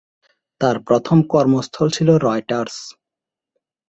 তার প্রথম কর্মস্থল ছিল রয়টার্স।